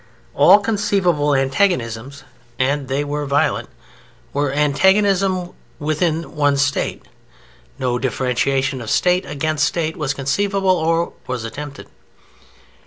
All conceivable antagonisms (and they were violent) were antagonisms within one State. No differentiation of State against State was conceivable or was attempted.